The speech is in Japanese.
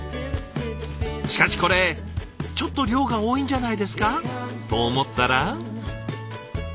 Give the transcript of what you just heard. しかしこれちょっと量が多いんじゃないですかと思ったら。